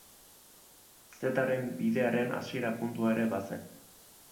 Zetaren Bidearen hasiera puntua ere bazen.